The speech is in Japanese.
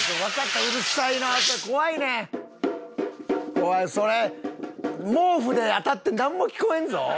おいそれ毛布で当たってなんも聞こえんぞ！